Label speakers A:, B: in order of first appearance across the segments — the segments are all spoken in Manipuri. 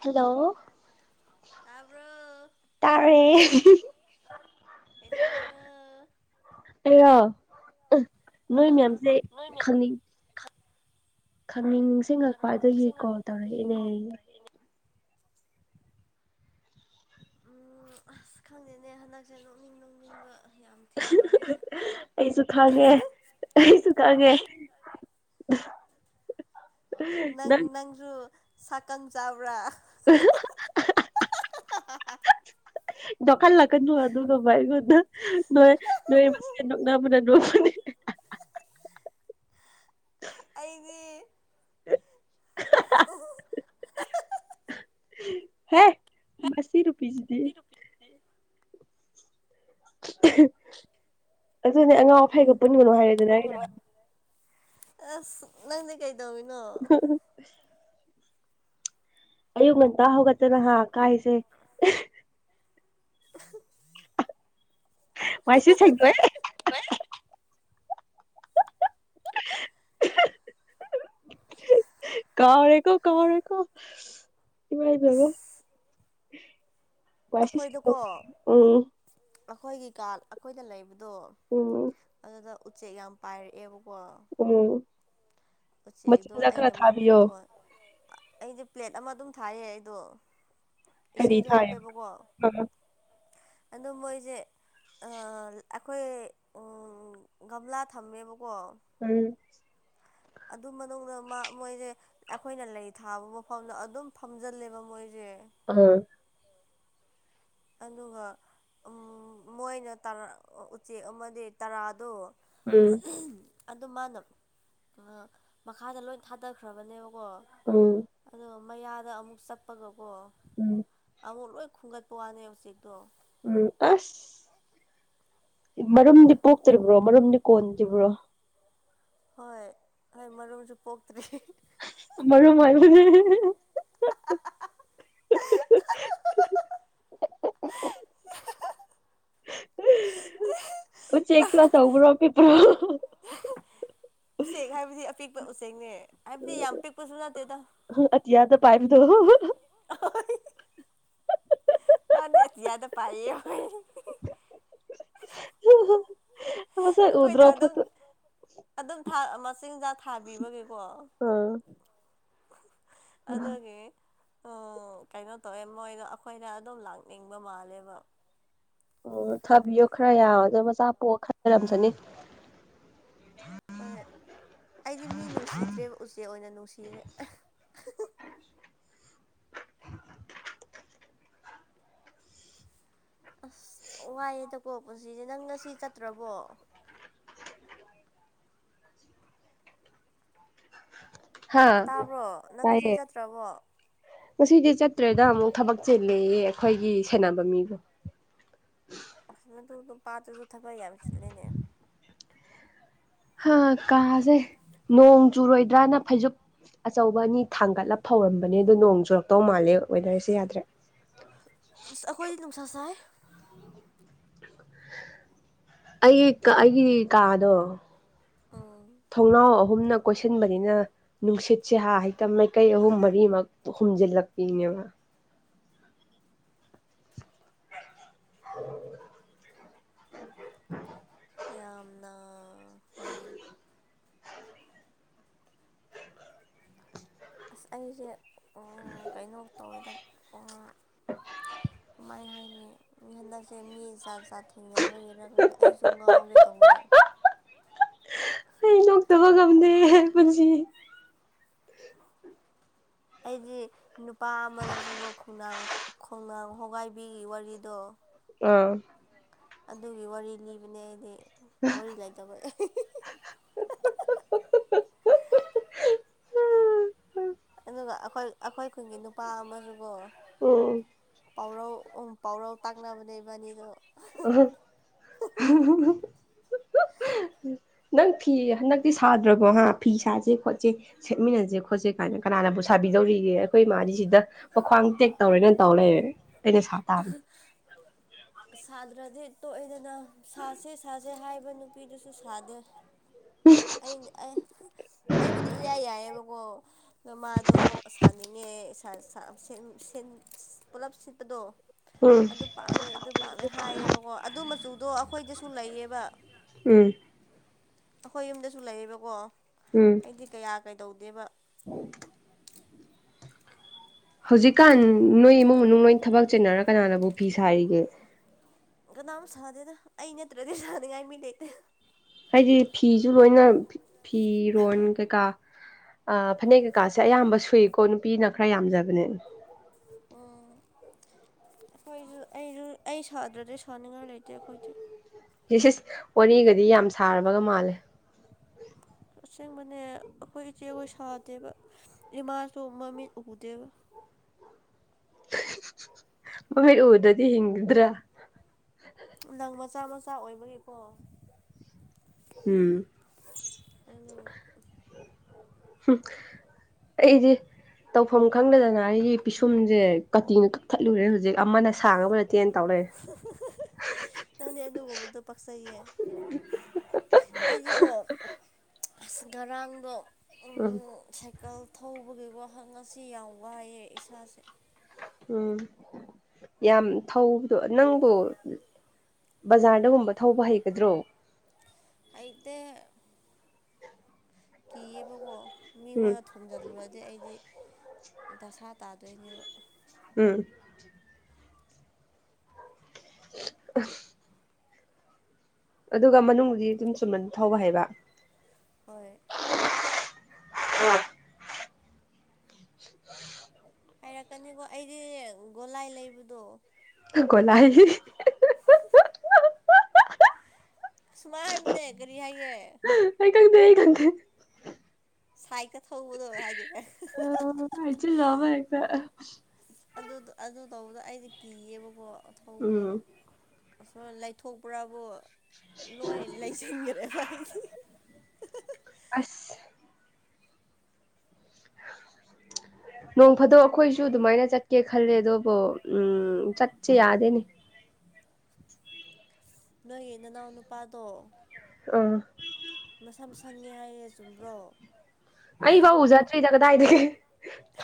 A: ꯍꯜꯂꯣ
B: ꯇꯥꯕ꯭ꯔꯣ
A: ꯇꯥꯔꯦ
B: ꯀꯩꯗꯧꯔꯤꯅꯣ
A: ꯑꯩꯔ
B: ꯑ
A: ꯅꯣꯏ ꯃꯌꯥꯝꯁꯦ ꯈꯪꯅꯤꯡ ꯈꯪꯅꯤꯡ ꯅꯤꯁꯤꯡꯉꯛꯄ ꯑꯗꯨꯒꯤ ꯀꯣꯜ ꯇꯧꯔꯛꯏꯅꯦ
B: ꯎꯝ ꯑꯁ ꯈꯪꯗꯦꯅꯦ ꯍꯟꯗꯛꯁꯦ ꯅꯣꯛꯅꯤꯡ ꯅꯨꯡ ꯅꯣꯛꯅꯤꯡꯕ ꯌꯥꯝ ꯊꯦꯡꯅꯩꯌꯦ
A: ꯑꯩꯁꯨ ꯈꯪꯉꯦ ꯑꯩꯁꯨ ꯈꯪꯉꯦ
B: ꯅꯪ ꯅꯪꯁꯨ ꯁꯥꯀꯟ ꯆꯥꯕ꯭ꯔꯥ
A: ꯑ [unintelligible] ꯅꯣꯛꯍꯜꯂꯛꯀꯅꯨ ꯑꯗꯨꯒꯨꯝꯕ ꯑꯩꯉꯣꯟꯗ ꯅꯣꯏ ꯅꯣꯏ ꯃꯁꯦꯟ ꯅꯣꯛꯅꯕꯅ ꯅꯣꯛꯄꯅꯤ
B: ꯑꯩꯗꯤ
A: [unintelligible] ꯍꯦ ꯃꯁꯤ ꯅꯨꯄꯤꯁꯤꯗꯤ ꯑꯗꯨꯅꯦ ꯑꯉꯥꯎ ꯐꯩꯒ ꯄꯨꯟꯒꯅꯨ ꯍꯥꯏꯔꯦꯗꯅ ꯑꯩꯅ
B: ꯑꯁ ꯅꯪꯗꯤ ꯀꯩꯗꯧꯔꯤꯅꯣ
A: ꯑꯌꯨꯛ ꯉꯟꯇꯥ ꯍꯧꯒꯠꯇꯅꯍ ꯀꯥꯏꯁꯦ ꯃꯥꯏꯁꯤ ꯁꯪꯗ꯭ꯔꯦ [unintelligible] ꯀꯥꯎꯔꯦꯀꯣ ꯀꯥꯎꯔꯦ ꯀꯣ ꯏꯃꯥꯏ ꯄꯦꯝꯃ
B: ꯑꯁ
A: [unintelligible] ꯋꯥꯏꯁꯤ
B: ꯑꯩꯈꯣꯏꯗꯀꯣ
A: ꯁꯦꯡꯗꯣꯛ ꯎꯝ
B: ꯑꯩꯈꯣꯏꯒꯤ ꯀꯥꯔꯗ ꯑꯩꯈꯣꯏꯗ ꯂꯩꯕꯗꯣ
A: ꯎꯝ
B: ꯑꯗꯨꯗ ꯎꯆꯦꯛ ꯌꯥꯝ ꯄꯥꯏꯔꯛꯑꯦꯕꯀꯣ
A: ꯎꯝ
B: ꯎꯆꯦꯛꯗꯣ
A: ꯃꯆꯤꯟꯖꯥꯛ ꯈꯔ
B: ꯑꯩꯅ ꯃꯃꯤꯡ
A: ꯊꯥꯕꯤꯌꯣ
B: ꯊꯣꯜ ꯑꯩꯗꯣ ꯄ꯭ꯂꯦꯠ ꯑꯃ ꯑꯗꯨꯝ ꯊꯥꯏꯌꯦ ꯑꯩꯗꯣ
A: ꯀꯔꯤ
B: ꯏꯁꯤꯡꯁꯨ
A: ꯊꯥꯏ ꯑ
B: ꯍꯥꯞꯄꯦꯕꯀꯣ
A: ꯎꯝ
B: ꯑꯗꯨ ꯃꯣꯏꯁꯦ ꯑꯩꯈꯣꯏ ꯒꯝꯂꯥ ꯊꯝꯃꯦꯕꯀꯣ
A: ꯎꯝ
B: ꯑꯗꯨ ꯃꯅꯨꯡꯗ ꯃꯥ ꯃꯣꯏꯗꯤ ꯑꯩꯈꯣꯏꯅ ꯂꯩ ꯊꯥꯕ ꯃꯐꯝꯗ ꯑꯗꯨꯝ ꯐꯝꯖꯤꯜꯂꯦꯕ ꯃꯣꯏꯁꯤ
A: ꯑꯝ
B: ꯑꯗꯨꯒ ꯃꯣꯏꯅꯥ ꯎꯆꯦꯛ ꯑꯃꯗꯤ ꯇꯔꯥꯗꯣ
A: ꯑꯝ
B: ꯑꯗꯨ ꯃꯥꯅ ꯑ ꯃꯈꯥꯗ ꯂꯣꯏ ꯊꯥꯗꯈ꯭ꯔꯕꯅꯦꯕꯀꯣ
A: ꯎꯝ
B: ꯑꯗꯣ ꯃꯌꯥꯗ ꯑꯃꯨꯛ ꯆꯠꯄꯒꯀꯣ
A: ꯎꯝ
B: ꯑꯃꯨꯛ ꯂꯣꯏ ꯈꯨꯝꯒꯠꯄ ꯋꯥꯅꯦ ꯎꯆꯦꯛꯇꯣ
A: ꯎꯝ ꯑꯁ ꯃꯔꯨꯝꯗꯤ ꯄꯣꯛꯇ꯭ꯔꯤꯕ꯭ꯔꯣ ꯃꯔꯨꯝꯗꯤ ꯀꯣꯟꯗ꯭ꯔꯤꯕ꯭ꯔꯣ
B: ꯍꯣꯏ ꯍꯣꯏ ꯃꯔꯨꯝꯁꯨ ꯄꯣꯛꯇ꯭ꯔꯤ
A: ꯃꯔꯨꯝ ꯍꯥꯢꯕꯅꯦ [unintelligible] ꯑꯣ ꯎꯆꯦꯛ ꯇꯣ ꯑꯋꯥꯎꯕꯔꯣ ꯑꯄꯤꯛꯄꯔꯣ
B: [inaudible] ꯎꯆꯦꯛ ꯍꯥꯏꯕꯗꯤ ꯑꯄꯤꯛꯄ ꯎꯆꯦꯛꯅꯦ ꯍꯥꯢꯕꯗꯤ ꯌꯥꯝ ꯄꯤꯛꯄꯁꯨ ꯅꯠꯇꯦꯗ
A: ꯑꯇꯤꯌꯥꯗ ꯄꯥꯏꯕꯗꯣ
B: ꯍꯣꯢ ꯃꯥꯅꯤ ꯑꯇꯤꯌꯤꯗ ꯄꯥꯏꯌꯦ
A: ꯍ ꯍꯣ [inaudible]
B: ꯑꯩꯈꯣꯏꯅ ꯑꯗꯨꯝ ꯑꯗꯨꯝ ꯊꯥ ꯃꯆꯤꯟꯖꯥꯛ ꯊꯥꯕꯤꯕꯒꯤꯀꯣ
A: ꯑꯥ
B: ꯑꯗꯨꯒꯤ ꯑꯣ ꯀꯩꯅꯣ ꯇꯧꯋꯦ ꯃꯣꯏꯗꯣ ꯑꯩꯈꯣꯏꯅꯝꯗ ꯑꯗꯨꯝ ꯂꯥꯛꯅꯤꯡꯕ ꯃꯥꯜꯂꯦꯕ
A: ꯑꯣ ꯊꯥꯕꯤꯌꯣ ꯈꯔ ꯌꯥꯝ ꯑꯗꯣ ꯃꯆꯥ ꯄꯣꯛꯑ ꯈꯟꯅꯔꯝꯖꯅꯤ
B: ꯍꯣꯏ ꯑꯩꯗꯤ ꯃꯤ ꯅꯨꯡꯁꯤꯗ꯭ꯔꯦꯕ ꯎꯆꯦꯛ ꯑꯣꯏꯅ ꯅꯨꯡꯁꯤꯔꯦ ꯑꯁ ꯋꯥꯏꯑꯦꯗꯀꯣ ꯄꯨꯟꯁꯤꯁꯦ ꯅꯪ ꯉꯁꯤ ꯆꯠꯇ꯭ꯔꯕꯣ
A: ꯍꯥ
B: ꯇꯥꯕ꯭ꯔꯣ ꯅꯪ
A: ꯇꯥꯏꯌꯦ
B: ꯉꯁꯤ ꯆꯠꯇ꯭ꯔꯕꯣ
A: ꯉꯁꯤꯗꯤ ꯆꯠꯇ꯭ꯔꯦꯗ ꯑꯃꯨꯛ ꯊꯕꯛ ꯆꯠꯇꯔꯦ ꯑꯩꯈꯣꯏꯒꯤ ꯁꯦꯟꯅꯅꯕ ꯃꯤꯗꯣ
B: ꯑ ꯑꯗꯨ ꯅꯨꯄꯥꯇꯨꯁꯨ ꯊꯕꯛ ꯌꯥꯝ ꯆꯤꯂꯦꯅꯦ
A: ꯍꯥ ꯀꯥꯁꯦ ꯅꯣꯡ ꯆꯨꯔꯣꯏꯗ꯭ꯔꯅ ꯐꯩꯖꯨꯞ ꯑꯆꯧꯕ ꯑꯅꯤ ꯊꯥꯡꯒꯠꯂ ꯐꯥꯎꯔꯝꯕꯅꯦ ꯑꯗꯣ ꯅꯣꯡ ꯆꯨꯔꯛꯇꯧ ꯃꯥꯜꯂꯦ ꯋꯦꯗꯔꯁꯦ ꯌꯥꯗ꯭ꯔꯦ
B: ꯑꯁ ꯑꯩꯈꯣꯏꯗꯤ ꯅꯨꯡꯁꯥ ꯁꯥꯏ
A: ꯑꯩꯒꯤ ꯑꯩꯒꯤ ꯀꯥꯗꯣ
B: ꯎꯝ
A: ꯊꯣꯡꯅꯥꯎ ꯑꯍꯨꯝꯅ ꯀꯣꯏꯁꯤꯟꯕꯅꯤꯅ ꯅꯨꯡꯁꯤꯠꯁꯦ ꯍꯥ ꯍꯛꯇ ꯃꯥꯏꯀꯩ ꯑꯍꯨꯝ ꯃꯔꯤꯃꯛ ꯍꯨꯝꯖꯤꯜꯂꯛꯄꯤꯅꯦꯕ [unintelligible]
B: ꯌꯥꯝꯅ ꯍꯣꯢꯌꯦ ꯑꯁ ꯑꯩꯁꯦ ꯀꯩꯅꯣ ꯇꯧꯔꯤꯗ ꯀꯃꯥꯏ ꯍꯥꯏꯅꯤ ꯍꯟꯗꯛꯁꯦ ꯃꯤꯖꯥꯠ ꯖꯠ ꯊꯦꯡꯅꯕꯒꯤꯔ ꯈꯪꯗꯦ ꯑꯩꯁꯨ ꯉꯥꯎꯒꯦ ꯇꯧꯋꯦ
A: ꯑꯩ ꯅꯣꯛꯇꯕ ꯉꯝꯗꯦ ꯍꯦ ꯄꯨꯟꯁꯤ
B: ꯑꯩꯗꯤ ꯅꯨꯄꯥ ꯑꯃꯗꯁꯨꯀꯣ ꯈꯣꯡꯅꯥꯡ ꯈꯣꯡꯅꯥꯡ ꯍꯣꯒꯥꯏꯕꯤ ꯋꯥꯔꯤꯗꯣ
A: ꯑꯥꯝ
B: ꯑꯗꯨꯒꯤ ꯋꯥꯔꯤ ꯂꯤꯕꯅꯦ ꯑꯩꯗꯤ ꯋꯥꯔꯤ ꯂꯩꯇꯕꯒꯤ ꯑꯗꯨꯒ ꯑꯩꯈꯣꯏ ꯑꯩꯈꯣꯏ ꯈꯨꯟꯒꯤ ꯅꯨꯄꯥ ꯑꯃꯁꯨꯀꯣ
A: ꯎꯝ
B: ꯄꯥꯎꯔꯧ ꯎꯝ ꯄꯥꯎꯔꯧ ꯇꯥꯛꯅꯕꯅꯦ ꯏꯕꯥꯅꯤꯗꯣ
A: ꯑ [inaudible] ꯅꯪ ꯐꯤ ꯍꯥꯟꯗꯛꯇꯤ ꯁꯥꯗ꯭ꯔꯕꯣ ꯍꯥ ꯐꯤ ꯁꯥꯁꯦ ꯈꯣꯠꯁꯦ ꯁꯦꯠꯃꯤꯟꯅꯁꯦ ꯈꯣꯠꯁꯦ ꯀꯥꯏꯅ ꯀꯅꯥꯅꯕꯨ ꯁꯥꯕꯤꯗꯧꯔꯤꯒꯦ ꯑꯩꯈꯣꯏ ꯃꯗꯤ ꯁꯤꯗ ꯋꯥꯈ꯭ꯋꯥꯡ ꯇꯦꯛ ꯇꯧꯔꯦꯅ ꯇꯧꯔ ꯂꯩꯔꯦꯑꯩꯅ ꯁꯥ ꯇꯥꯕꯅꯦ
B: ꯁꯥꯗ꯭ꯔꯗꯤ ꯇꯣꯛꯋꯦꯗꯅ ꯁꯥꯁꯦ ꯁꯥꯁꯦ ꯍꯥꯏꯕ ꯅꯨꯄꯤꯗꯨꯁꯨ ꯁꯥꯗꯦ ꯑꯩꯕꯨꯗꯤ ꯏꯌꯥ ꯌꯥꯏꯑꯕꯀꯣ ꯑꯗꯥ ꯃꯥꯗꯣ ꯁꯥꯅꯤꯡꯉꯦ ꯁꯥ ꯁꯥ ꯁꯦꯝ ꯁꯦꯝ ꯄꯨꯂꯞ ꯁꯦꯠꯄꯗꯣ
A: ꯎꯝ
B: ꯑꯗꯨ ꯄꯥꯝꯃꯦ ꯍꯥꯏꯌꯦꯕꯀꯣ ꯑꯗꯨ ꯃꯆꯨꯗꯣ ꯑꯩꯈꯣꯏꯗꯁꯨ ꯂꯩꯌꯦꯕ
A: ꯎꯝ
B: ꯑꯩꯈꯣꯏ ꯌꯨꯝꯗꯁꯨ ꯂꯩꯌꯦꯕꯀꯣ
A: ꯎꯝ
B: ꯑꯩꯗꯤ ꯀꯌꯥ ꯀꯩꯗꯧꯗꯦꯕ
A: [unintelligible] ꯍꯧꯖꯤꯛꯀꯥꯟ ꯅꯣꯏ ꯏꯃꯨꯡ ꯃꯅꯨꯡ ꯅꯣꯏ ꯊꯕꯛ ꯆꯦꯟꯅꯔ ꯀꯅꯥꯅꯕꯨ ꯐꯤ ꯁꯥꯔꯤꯒꯦ
B: ꯀꯅꯥꯝ ꯁꯥꯗꯦꯗ ꯑꯩ ꯅꯠꯇ꯭ꯔꯗꯤ ꯁꯥꯅꯤꯡꯉꯥꯏ ꯃꯤ ꯂꯩꯇꯦ
A: ꯍꯥꯏꯗꯤ ꯐꯤꯁꯨ ꯂꯣꯏꯅ ꯐꯤꯔꯣꯟ ꯀꯩꯀꯥ ꯐꯅꯦꯛ ꯀꯩꯀꯥꯁꯦ ꯑꯌꯥꯝꯕ ꯁꯨꯏꯀꯣ ꯅꯨꯄꯤꯅ ꯈꯔ ꯌꯥꯝꯖꯕꯅꯦ
B: ꯎꯝ ꯑꯩꯈꯣꯏꯁꯨ ꯑꯩꯁꯨ ꯑꯩ ꯁꯥꯗ꯭ꯔꯗꯤ ꯁꯥꯅꯤꯡꯉꯥꯏ ꯂꯩꯇꯦ ꯑꯩꯈꯣꯏꯗꯤ
A: ꯁꯤ ꯁꯤꯁ ꯋꯥꯔꯤꯒꯗꯤ ꯌꯥꯝ ꯁꯥꯔꯕꯒ ꯃꯥꯜꯂꯦ
B: ꯑꯁꯦꯡꯕꯅꯦ ꯑꯩꯈꯣꯏ ꯏꯆꯦꯈꯣꯏ ꯁꯥꯗꯦꯕ ꯏꯃꯥꯁꯨ ꯃꯃꯤꯠ ꯎꯗꯦꯕ
A: ꯃꯃꯤꯠ ꯎꯗꯗꯤ ꯍꯤꯡꯒꯗ꯭ꯔꯥ
B: ꯅꯪ ꯃꯆꯥ ꯃꯆꯥ ꯑꯣꯏꯕꯒꯤꯀꯣ
A: ꯎꯝ
B: ꯑꯗꯣ
A: ꯑꯩꯗꯤ ꯇꯧꯐꯝ ꯈꯪꯗꯗꯅ ꯑꯩꯒꯤ ꯄꯤꯁꯨꯝꯁꯦ ꯀꯇꯤꯅ ꯀꯛꯊꯠꯂꯨꯔꯦ ꯍꯧꯖꯤꯛ ꯑꯃꯅ ꯁꯥꯡꯉꯕ ꯅ ꯇꯦꯟꯅ ꯇꯥꯎꯔꯛꯑꯦ
B: ꯅꯪꯅꯦ ꯑꯗꯨꯒꯨꯝꯕꯗ ꯄꯆꯩꯌꯦ ꯑꯩꯗꯤꯀꯣ ꯑꯁ ꯉꯔꯥꯡꯗꯣ ꯎꯝ ꯁꯥꯏꯀꯜ ꯊꯧꯕꯒꯤ ꯋꯥꯍꯪ ꯉꯁꯤ ꯌꯥꯎꯕ ꯋꯥꯏꯌꯦ ꯏꯁꯥꯁꯦ
A: ꯎꯝ ꯌꯥꯝ ꯊꯧꯕꯗꯣ ꯅꯪꯕꯨ ꯕꯖꯥꯔꯗꯒꯨꯝꯕ ꯊꯧꯕ ꯍꯩꯒꯗ꯭ꯔꯣ
B: ꯍꯩꯇꯦ ꯀꯤꯌꯦꯕꯀꯣ
A: ꯎꯝ
B: ꯃꯤꯉꯣꯟꯗ ꯊꯣꯝꯖꯤꯜꯂꯨꯔꯗꯤ ꯑꯩꯗꯤ ꯗꯁꯥ ꯇꯥꯗꯣꯏꯅꯦꯕ
A: ꯎꯝ ꯑ ꯑꯗꯨꯒ ꯃꯅꯨꯡꯗꯨꯗꯤ ꯑꯗꯨꯨꯝ ꯆꯨꯝꯅ ꯊꯧꯕ ꯍꯥꯏꯕ
B: ꯍꯣꯏ
A: ꯍ
B: ꯍꯥꯏꯔꯛꯀꯅꯤꯀꯣ ꯑꯩꯗꯤ ꯒꯣꯂꯥꯏ ꯂꯩꯕꯗꯣ
A: ꯒꯣꯂꯥꯢ
B: ꯁꯨꯃꯥꯏ ꯍꯥꯏꯕꯅꯦ ꯀꯔꯤ ꯍꯥꯏꯌꯦ
A: ꯂꯩ ꯈꯟꯗꯦ
B: ꯁꯥꯏꯀ ꯊꯧꯕꯗꯣ ꯍꯥꯏꯗꯤ
A: ꯑ ꯍꯥꯏꯆꯦ ꯌꯥꯕ ꯍꯥꯏ
B: ꯑꯗꯨ ꯇꯧꯕꯗ ꯑꯩꯁ ꯀꯤꯌꯦꯕꯀꯣ ꯊꯧꯕꯗꯣ
A: ꯎꯝ
B: ꯑꯁꯨꯝ ꯂꯩꯊꯣꯛꯄ꯭ꯔꯥꯕꯨ ꯂꯣꯏ ꯂꯩꯁꯤꯟꯈ꯭ꯔꯦꯕ ꯍꯥꯏꯗꯤ
A: ꯑꯁ [unintelligible] ꯅꯣꯡ ꯐꯥꯗꯣꯛ ꯑꯩꯈꯣꯏꯁꯨ ꯑꯗꯨꯃꯥꯏꯅ ꯆꯠꯀꯦ ꯈꯜꯂꯦ ꯑꯗꯨꯕꯨ ꯆꯠꯁꯦ ꯌꯥꯗꯦꯅꯦ
B: ꯅꯣꯏꯒꯤ ꯅꯅꯥꯎ ꯅꯨꯄꯥꯗꯣ
A: ꯑ
B: ꯃꯁꯝ ꯁꯪꯉꯦ ꯍꯥꯏꯌꯦ ꯆꯨꯝꯕ꯭ꯔꯣ
A: ꯑꯕ ꯎꯖꯥꯇꯔꯤꯖ ꯀꯗꯥꯏꯗꯒꯤ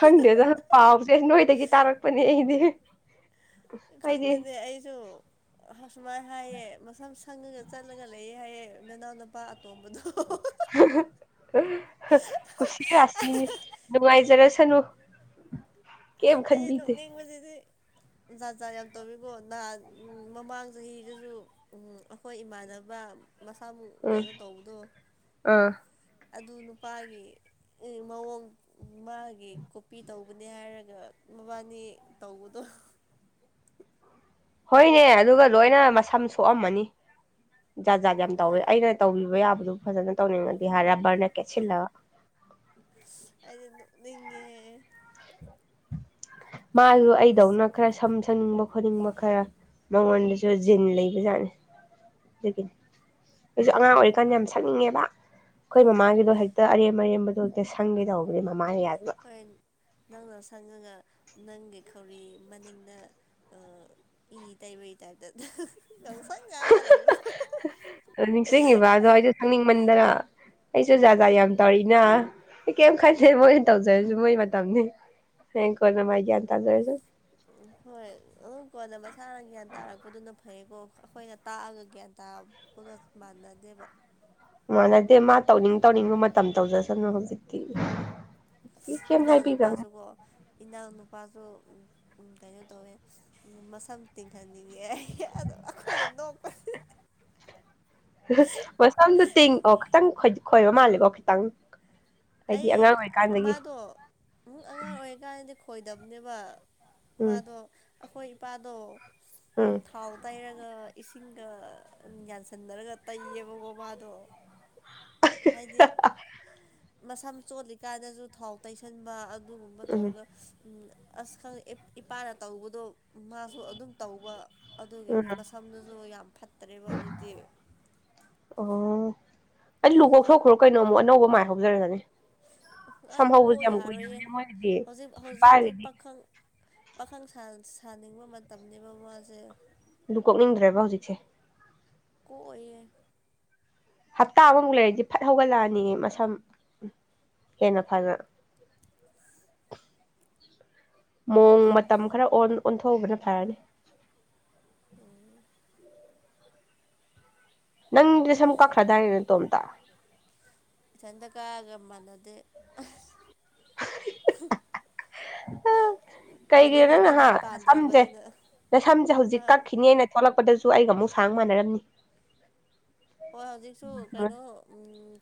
A: ꯈꯪꯗꯦꯗ ꯄꯥꯎꯁꯦ ꯅꯣꯏꯗꯒꯤ ꯇꯥꯔꯛꯄꯅꯦ ꯑꯩꯗꯤ ꯑꯩꯗꯤ
B: ꯈꯪꯗꯦꯅꯦ ꯑꯩꯁꯨ ꯁꯨꯃꯥꯏꯅ ꯍꯥꯏꯌꯦ ꯃꯁꯝ ꯁꯪꯉꯒ ꯆꯠꯂꯒ ꯂꯩꯌꯦ ꯍꯥꯏꯌꯦ ꯅꯅꯥꯎꯅꯄꯥ ꯑꯇꯣꯝꯕꯗꯣ
A: ꯀꯨꯁꯤ ꯔꯥꯁꯤꯅꯤ ꯅꯨꯡꯉꯥꯏꯖꯔꯁꯅꯨ [unintelligible]
B: ꯑꯩ
A: ꯈꯟꯕꯤꯗꯦ
B: ꯅꯣꯛꯅꯤꯡꯕꯁꯤꯗꯤ ꯖꯥꯠ ꯖꯥꯠ ꯌꯥꯝ ꯇꯧꯋꯤꯀꯣ ꯅꯍꯥꯟ ꯃꯃꯥꯡ ꯆꯍꯤꯗꯁꯨ ꯎꯝ ꯑꯩꯈꯣꯏ ꯏꯃꯥꯟꯅꯕ ꯃꯁꯥꯃ ꯎꯨ
A: ꯎꯝ
B: ꯀꯩꯅꯣ ꯇꯧꯕꯗꯣ
A: ꯑꯥ
B: ꯑꯗꯨ ꯅꯨꯄꯥꯒꯤ ꯃꯑꯣꯡ ꯃꯥꯒꯤ ꯀꯣꯄꯤ ꯇꯧꯕꯅꯦ ꯍꯥꯏꯔꯒ ꯃꯕꯥꯅꯤ ꯇꯧꯕꯗꯣ
A: ꯍꯣꯏꯅꯦ ꯑꯗꯨꯒ ꯂꯣꯏꯅ ꯃꯁꯝ ꯁꯣꯛꯑꯝꯃꯅꯤ ꯖꯥꯠ ꯖꯥꯠ ꯌꯥꯝ ꯇꯧꯋꯦ ꯑꯩꯅ ꯇꯧꯕꯤꯕ ꯌꯥꯕꯗꯨ ꯐꯖꯅ ꯇꯧꯅꯤꯡꯉꯗꯤ ꯍꯥꯏ ꯔꯕꯔꯅ ꯀꯦꯠꯁꯤꯜꯂꯒ
B: ꯑꯁ ꯑꯩꯗꯤ ꯅꯤꯛꯅꯤꯡꯉꯦ
A: ꯃꯥꯁꯨ ꯑꯩꯗꯧꯅ ꯈꯔ ꯁꯝ ꯁꯟꯅꯤꯡꯕ ꯈꯣꯠꯅꯤꯡꯕ ꯈꯔ ꯃꯉꯣꯟꯗꯁꯨ ꯖꯤꯟ ꯂꯩꯕꯖꯥꯠꯅꯤ ꯑꯗꯨꯒꯤꯅꯦ ꯑꯩꯁꯨ ꯑꯉꯥꯡ ꯑꯣꯏꯔꯤꯀꯥꯟꯗ ꯌꯥꯝ ꯁꯛꯅꯤꯡꯉꯦꯕ ꯑꯩꯈꯣꯏ ꯃꯃꯥꯒꯤꯗꯣ ꯍꯦꯛꯇ ꯑꯔꯦꯝ ꯑꯔꯦꯝꯕꯗꯣ ꯍꯦꯛꯇ ꯁꯪꯒꯦ ꯇꯧꯕꯅꯦ ꯃꯃꯥꯅ ꯌꯥꯗꯅ
B: ꯑꯩꯏ ꯅꯪꯅ ꯁꯪꯉꯒ ꯅꯪꯒꯤ ꯈꯧꯔꯤ ꯃꯅꯤꯡꯗ [unintelligible]
A: ꯅꯤꯡꯁꯤꯡꯉꯤꯕ ꯑꯗꯣ ꯑꯩꯗꯣ ꯈꯪꯅꯤꯡꯃꯟꯗꯅ ꯑꯩꯁꯨ ꯖꯥꯖꯥꯠ ꯌꯥꯝ ꯇꯧꯔꯤꯅ ꯑꯩ ꯀꯔꯤꯝ ꯈꯟꯖꯩ ꯃꯣꯏꯅ ꯇꯧꯖꯔꯁꯨ ꯃꯣꯏ ꯃꯇꯝꯅꯤ ꯍꯦꯡ ꯀꯣꯅ ꯃꯥꯥꯏꯒꯤꯌꯥ ꯇꯗ ꯑꯣꯏꯁꯨ
B: ꯎꯝ ꯍꯣꯏ ꯑꯗꯨ ꯀꯣꯟꯅ ꯃꯁꯥꯅ ꯒ꯭ꯌꯥꯟ ꯇꯥꯔꯛꯄꯗꯨꯅ ꯐꯩꯌꯦꯀꯣ ꯑꯩꯈꯣꯏꯅ ꯇꯥꯛꯑꯒ ꯒ꯭ꯌꯥꯟ ꯇꯥ ꯄꯨꯒ ꯃꯥꯟꯅꯗꯦꯕ
A: ꯃꯥꯟꯅꯗꯦ ꯃꯥ ꯇꯧꯅꯤꯡ ꯇꯧꯅꯤꯡꯕ ꯃꯇꯝ ꯇꯧꯖꯁꯅꯨ ꯍꯧꯖꯤꯛꯇꯤ ꯀꯩꯝ
B: ꯏꯅꯥꯎ
A: ꯍꯥꯏꯕꯤꯗꯕꯅꯤ
B: ꯅꯨꯄꯥꯁꯨꯀꯣ ꯏꯅꯥꯎ ꯅꯨꯄꯥꯁꯨ ꯀꯩꯅꯣ ꯇꯧꯋꯦ ꯃꯁꯝ ꯇꯤꯡꯍꯟꯅꯤꯡꯉꯦ ꯑꯗ ꯑꯩꯈꯣꯏꯅ ꯅꯣꯛꯄ
A: ꯃꯁꯝꯗꯨ ꯇꯤꯡꯉꯑꯣ ꯈꯤꯇꯪ ꯈꯣꯏꯕ ꯃꯥꯜꯂꯦꯀꯣ ꯈꯤꯇꯪ ꯍꯥꯏꯗꯤ
B: ꯑꯩ
A: ꯑꯉꯥꯡ ꯑꯣꯏꯔꯤꯀꯥꯟꯗꯒꯤ
B: ꯃꯥꯗꯣ ꯑꯃꯨꯡ ꯑꯉꯥꯡ ꯑꯣꯏꯔꯤꯀꯥꯟꯗꯗꯤ ꯈꯣꯏꯗꯕꯅꯦꯕ
A: ꯎꯝ
B: ꯃꯥꯗꯣ ꯑꯩꯈꯣꯏ ꯏꯄꯥꯗꯣ
A: ꯎꯝ
B: ꯊꯥꯎ ꯇꯩꯔꯒ ꯏꯁꯤꯡꯒ ꯌꯥꯟꯁꯟꯅꯔꯒ ꯇꯩꯌꯦꯕꯀꯣꯕꯥꯗꯣ ꯍꯥꯏꯗꯤ ꯃꯁꯝ ꯆꯣꯠꯂꯤꯀꯥꯟꯗꯁꯨ ꯊꯥꯎ ꯇꯩꯁꯟꯕ ꯑꯗꯨꯒꯨꯝꯕ
A: ꯎꯝ
B: ꯇꯧꯔꯒ ꯑꯁ ꯈꯪ ꯏꯄꯥꯅ ꯇꯧꯕꯗꯣ ꯃꯥꯁꯨ ꯑꯗꯨꯝ ꯇꯧꯕ
A: ꯎꯝ
B: ꯑꯗꯨꯒꯤꯅꯦ ꯃꯁꯝꯗꯨꯁꯨ ꯌꯥꯝ ꯐꯠꯇ꯭ꯔꯦꯕ ꯍꯧꯖꯤꯛꯇꯤ
A: ꯑꯣ ꯑꯩ ꯂꯨꯕꯣꯛ ꯁꯣꯛꯈ꯭ꯔꯣ ꯀꯩꯅꯣ ꯑꯃꯨꯛ ꯑꯅꯧꯕ ꯃꯥꯏ ꯍꯧꯖꯔꯒꯅꯤ
B: ꯑꯁ
A: ꯁꯝ
B: ꯀꯣꯛ
A: ꯍꯧꯕꯁꯦ ꯌꯥꯝ
B: ꯌꯥꯔꯣꯏꯌꯦ
A: ꯀꯨꯏꯗꯕꯅꯦ ꯃꯣꯏꯒꯤꯗꯤ
B: ꯍꯧꯖꯤꯛ ꯍꯧꯖꯤꯛꯇꯤ
A: ꯅꯨꯄꯥꯒꯤꯗꯤ
B: ꯄꯥꯈꯪ ꯄꯥꯈꯪ ꯁꯥꯅꯤꯡꯕ ꯃꯇꯝꯅꯤꯕ ꯃꯥꯁꯦ
A: ꯑꯗꯨ ꯀꯣꯛꯅꯤꯡꯗ꯭ꯔꯦꯕ ꯍꯧꯖꯤꯛꯁꯦ
B: ꯀꯣꯛ ꯑꯣꯏꯑꯦ
A: ꯍꯞꯇꯥ ꯑꯃꯃꯨꯛ ꯂꯩꯔꯗꯤ ꯐꯠ ꯍꯧꯒꯠꯂꯛꯑꯅꯤ ꯃꯁꯝ ꯍꯦꯟꯅ ꯐꯅ ꯃꯣꯡ ꯃꯇꯝ ꯈꯔ ꯑꯣꯟꯊꯣꯛꯎꯕꯅ ꯐꯔꯅꯤ
B: ꯎꯝ
A: ꯅꯪꯗꯤ ꯁꯨꯝ ꯀꯛꯈ꯭ꯔꯗꯥꯏꯔꯤꯅꯦ ꯇꯇꯣꯝꯇ
B: ꯏꯊꯟꯇꯀꯥꯒ ꯃꯥꯟꯅꯗꯦ
A: ꯀꯩꯒꯤꯅꯪ
B: ꯃꯅꯤꯡꯗꯗꯤ
A: ꯅꯍꯥꯟ
B: ꯃꯤꯠ
A: ꯅꯁꯝꯁꯦ
B: ꯄꯥꯟꯗ꯭ꯔꯕꯅꯤꯅ
A: ꯅꯁꯝꯁꯦ ꯍꯧꯖꯤꯛ
B: ꯑꯥ
A: ꯀꯛꯈꯤꯅꯤꯅ ꯊꯣꯛꯣꯠꯂꯛꯄꯗꯁꯨ ꯑꯩꯒ ꯑꯃꯨꯛ ꯁꯥꯡ ꯃꯥꯟꯅꯔꯝꯅꯤ
B: ꯍꯣꯏ ꯍꯧꯖꯤꯛꯁꯨ ꯀꯩꯅꯣ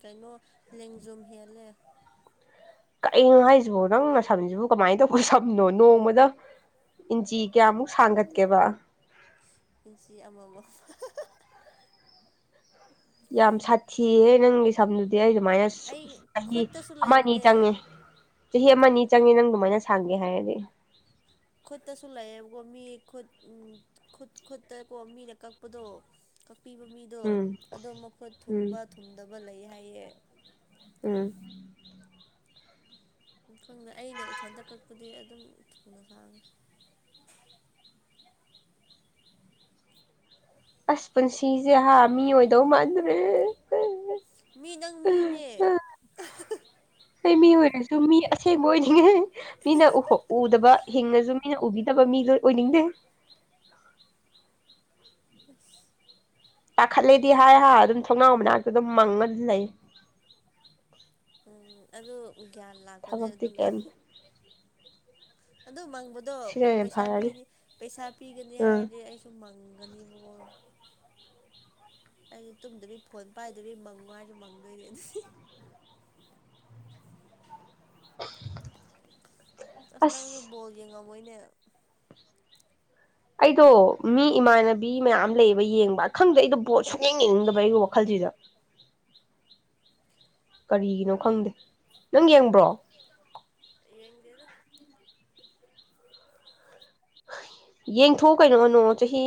B: ꯀꯩꯅꯣ ꯂꯦꯡꯖꯨꯝ ꯍꯦꯜꯂꯦ
A: ꯀ ꯍꯥꯏꯁꯤꯕꯣ ꯅꯪꯅ ꯁꯝꯁꯤꯕꯨ ꯀꯃꯥꯏꯅ ꯇꯧꯕ ꯁꯝꯅꯣ ꯅꯣꯡꯃꯗ ꯏꯟꯖꯤꯤ ꯀꯌꯥꯃꯨꯛ ꯁꯥꯡꯒꯠꯀꯦꯕ
B: ꯄꯨꯟꯁꯤ ꯑꯃ ꯑꯃ
A: ꯌꯥꯝ ꯁꯥꯊꯤꯍꯦ ꯅꯪ ꯁꯝꯗꯨꯗꯤ ꯑꯩ ꯑꯗꯨꯃꯥꯏꯅ
B: ꯑꯩ
A: ꯆꯍꯤ
B: ꯈꯨꯠꯇꯁꯨ
A: ꯑꯃꯅꯤꯅꯤ
B: ꯂꯩꯕꯅꯦ
A: ꯆꯪꯉꯦ ꯆꯍꯤ ꯑꯃ ꯑꯅꯤ ꯆꯪꯉꯤ ꯅꯪ ꯑꯗꯨꯃꯥꯏꯅ ꯁꯥꯥꯡꯒꯦ ꯍꯥꯏꯔꯗꯤ
B: ꯈꯨꯠꯇꯁꯨ ꯂꯩꯌꯦꯕꯀꯣ ꯃꯤ ꯈꯨꯠ ꯈꯨꯠ ꯈꯨꯠꯇꯀꯣ ꯃꯤꯅ ꯀꯛꯄꯗꯣ ꯀꯛꯄꯤꯕ ꯃꯤꯗꯣ
A: ꯎꯝ
B: ꯑꯗꯣ ꯃꯈꯣꯏꯠ
A: ꯎꯝ
B: ꯊꯨꯝꯕ ꯊꯨꯝꯗꯕ ꯂꯩ ꯍꯥꯏꯌꯦ
A: ꯎꯝ
B: ꯈꯪꯗꯦ ꯑꯩꯅ ꯏꯊꯟꯇ ꯀꯛꯄꯗꯤ ꯑꯗꯨꯝ ꯊꯨꯅ ꯁꯥꯡꯉꯤ
A: ꯑꯁ ꯄꯨꯟꯁꯤꯁꯦ ꯍꯥꯏ ꯃꯤ ꯑꯣꯏꯗꯧ ꯃꯥꯟꯗ꯭ꯔꯦ
B: ꯃꯤ ꯅꯪ ꯃꯤꯅꯦ
A: ꯑꯩ ꯃꯤ ꯑꯣꯏꯔꯁꯨ ꯃꯤ ꯁꯦꯡꯕ ꯑꯣꯏꯅꯤꯡꯉꯦ ꯃꯤꯅ ꯎꯗꯕ ꯍꯤꯡꯅꯁꯨ ꯃꯤꯅ ꯎꯕꯤꯗꯕ ꯃꯤ ꯂꯣꯏ ꯑꯣꯏꯅꯤꯡꯗꯦ
B: ꯈꯁ
A: ꯇꯥꯈꯠꯂꯦꯗꯤ ꯍꯥꯏ ꯍꯥ ꯑꯗꯨꯝ ꯊꯣꯡꯅꯥꯎ ꯃꯅꯥꯛꯇꯨ ꯑꯗꯨꯝ ꯃꯪꯉꯗꯤ ꯂꯩ
B: ꯎꯝ ꯑꯗꯨ ꯒ꯭ꯌꯥꯟ ꯂꯥꯛꯄꯅꯦ
A: ꯊꯕꯛꯇꯤ
B: ꯑꯗꯨ
A: ꯀꯩꯝ
B: ꯑꯗꯨ ꯃꯪꯕꯗ
A: ꯁꯤꯅ
B: ꯑꯗꯣ
A: ꯍꯦꯟꯅ
B: ꯄꯩꯁꯥ
A: ꯐꯔꯅꯤ
B: ꯄꯤꯅꯤ ꯄꯩꯁꯥ ꯄꯤꯒꯅꯤ
A: ꯎꯝ
B: ꯍꯥꯏꯔꯗꯤ ꯑꯩꯁꯨ ꯃꯪꯒꯅꯦꯕꯀꯣ ꯑꯩꯗꯤ ꯇꯨꯝꯗꯕꯤ ꯐꯣꯟ ꯄꯥꯏꯗꯕꯤ ꯃꯪꯉꯨ ꯍꯥꯏꯁꯨ ꯃꯪꯗꯣꯏꯅꯦ ꯑꯗꯨꯗꯤ ꯑꯁ ꯅꯪꯁ ꯕꯣꯜ ꯌꯦꯡꯉꯝꯃꯣꯏꯅꯦ
A: ꯑꯩꯗꯣ ꯃꯤ ꯏꯃꯥꯟꯅꯕꯤ ꯃꯌꯥꯝ ꯂꯩꯌꯦꯕ ꯌꯦꯡꯕ ꯈꯪꯗ ꯑꯩꯗꯣ ꯄꯕꯣꯠ ꯁꯨꯡꯛꯌꯦꯡ ꯌꯦꯡꯅꯤꯡꯗꯕ ꯑꯩꯒꯤ ꯋꯥꯈꯜꯁꯤꯗ ꯀꯔꯤꯒꯤꯅꯣ ꯈꯪꯗꯦ ꯅꯪ ꯌꯦꯡꯕ꯭ꯔꯣ
B: ꯌꯦꯉ ꯑꯗꯨ
A: ꯌꯦꯡꯊꯣꯛꯎ ꯀꯩꯅꯣ ꯀꯅꯨ ꯆꯍꯤ